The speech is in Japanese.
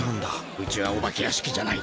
うちはお化け屋敷じゃない。